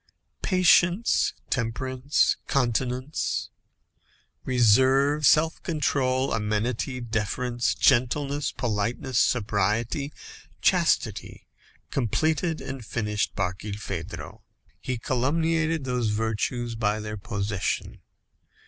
Patience, temperance, continence, reserve, self control, amenity, deference, gentleness, politeness, sobriety, chastity, completed and finished Barkilphedro. He culumniated those virtues by their possession.